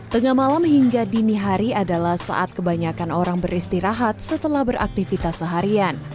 tengah malam hingga dini hari adalah saat kebanyakan orang beristirahat setelah beraktivitas seharian